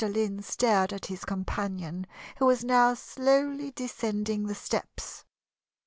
Lynn stared at his companion, who was now slowly descending the steps.